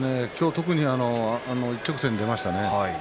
特に今日は一直線に出ましたね。